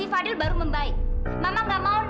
fadil kamu kenapa sayang